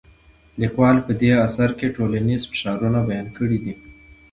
لیکوال په دې اثر کې ټولنیز فشارونه بیان کړي دي.